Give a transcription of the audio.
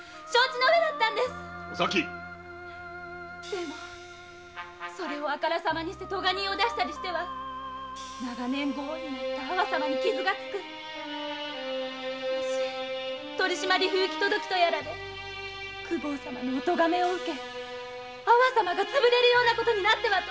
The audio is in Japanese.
でもそれをあからさまにして科人を出したりしては永年ご恩になった阿波様に傷がつくもし取締り不行き届きとやらで公方様のお咎めを受け阿波様がつぶれるようなことになってはと。